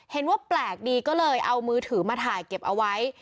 เห็นว่าแปลกดิก็เลยเอามือถือมาไว้ใหม่